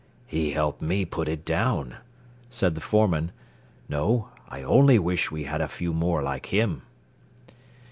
"He helped me put it down," said the foreman. "No; I only wish we had a few more like him."